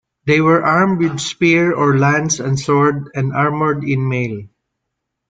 They were armed with spear or lance and sword and armored in mail.